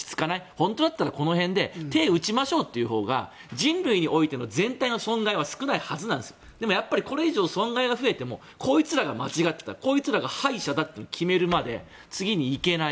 本当だったらこの辺で手を打ちましょうというほうが人類においての全体の損害は少ないはずなんですがこれ以上損害が増えてもこいつらが間違っていたこいつらが敗者だと決まるまで次にいけない。